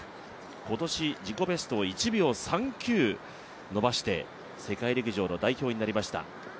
今年、自己ベストを１秒３９伸ばして世界陸上の代表になりました。